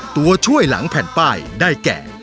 ตัวช่วยหลังแผ่นป้ายได้แก่